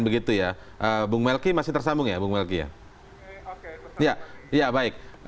bung melki masih tersambung ya